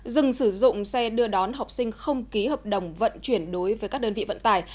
dừng sử dụng xe đưa đón học sinh không ký hợp đồng vận chuyển đối với các đơn vị vận tải